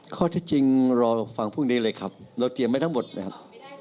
ข้อที่จริงรอฟังพรุ่งนี้เลยครับเราเตรียมไว้ทั้งหมดนะครับ